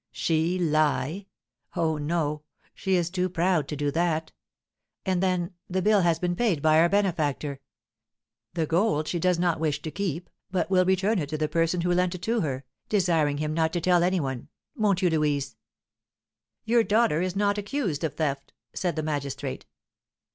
She lie! Oh, no, she is too proud to do that! And, then, the bill has been paid by our benefactor. The gold she does not wish to keep, but will return it to the person who lent it to her, desiring him not to tell any one; won't you, Louise?" "Your daughter is not accused of theft," said the magistrate.